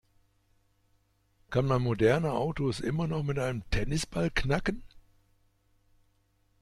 Kann man moderne Autos immer noch mit einem Tennisball knacken?